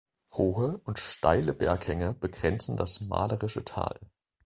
Hohe und steile Berghänge begrenzen das malerische Tal.